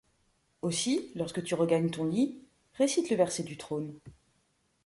Aussi, lorsque tu regagnes ton lit, récite le verset du Trône.